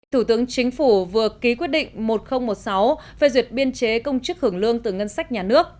thủ tướng chính phủ vừa ký quyết định một nghìn một mươi sáu về duyệt biên chế công chức hưởng lương từ ngân sách nhà nước